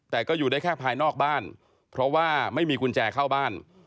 แต่ก็อยู่ได้แค่ภายนอกบ้านเพราะว่าไม่มีกุญแจเข้าบ้าน